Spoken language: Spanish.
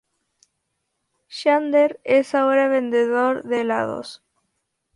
Xander es ahora vendedor de helados.